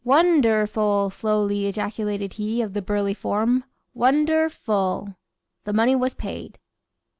"Won der ful!" slowly ejaculated he of the burly form; "Wonder ful!" The money was paid.